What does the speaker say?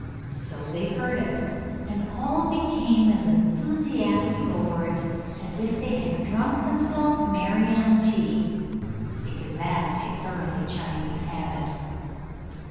So they heard it, and all became as enthusiastic over it as if they had drunk themselves merry on tea, because that is a thoroughly Chinese habit.